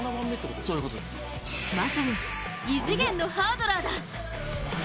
まさに異次元のハードラーだ！